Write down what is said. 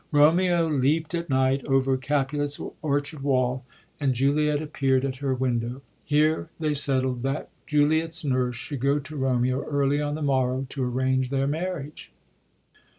Romeo leapt q.t night over Capulet's orchard wall, apd Juliet 80 ROMEO AND JULIET appeard at her window. Here they settled that Juliet's nurse should go to Romeo early on the morrow to arrange their marriage.